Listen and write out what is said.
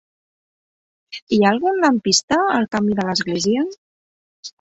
Hi ha algun lampista al camí de l'Església?